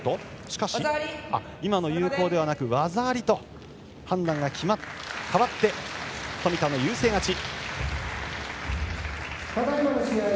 しかし、今のは有効ではなく技ありと判断が変わって冨田の優勢勝ち。